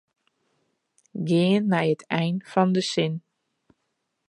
Gean nei it ein fan de sin.